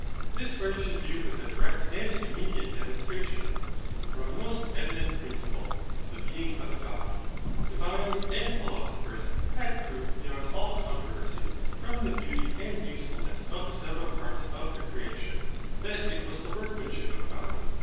This furnishes you with a direct and immediate demonstration, from a most evident principle, of the BEING OF A GOD. Divines and philosophers had proved beyond all controversy, from the beauty and usefulness of the several parts of the creation, that it was the workmanship of God.